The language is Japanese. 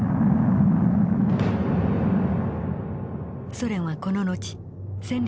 ソ連はこの後戦略